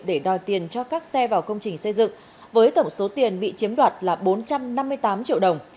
để đòi tiền cho các xe vào công trình xây dựng với tổng số tiền bị chiếm đoạt là bốn trăm năm mươi tám triệu đồng